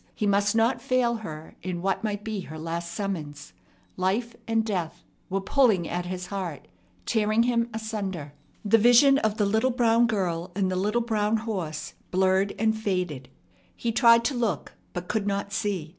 He must not fail her in what might be her last summons. Life and death were pulling at his heart, tearing him asunder. The vision of the little brown girl and the little brown horse blurred and faded. He tried to look, but could not see.